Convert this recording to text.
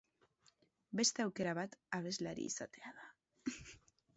Beste aukera bat, abeslari izatea da.